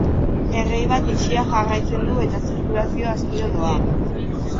Errei bat itxita jarraitzen du eta zirkulazioa astiro doa.